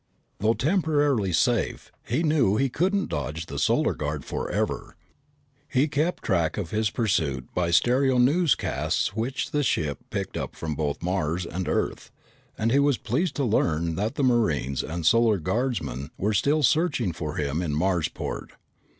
Though temporarily safe, he knew he couldn't dodge the Solar Guard forever. He kept track of his pursuit by stereo newscasts which the ship picked up from both Mars and Earth, and he was pleased to learn that the Marines and Solar Guardsmen were still searching for him in Marsport.